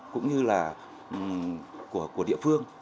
cũng như là của địa phương